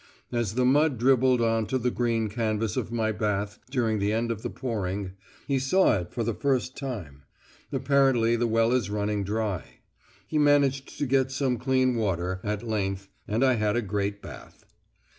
As the mud dribbled on to the green canvas of my bath during the end of the pouring, he saw it for the first time. Apparently the well is running dry.... He managed to get some clean water at length and I had a great bath.